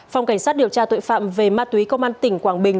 phòng cảnh sát điều tra tội phạm về ma túy công an tỉnh quảng bình